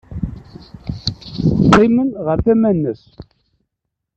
Qqimen ɣer tama-nnes.